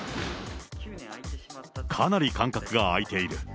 かなり間隔が空いている。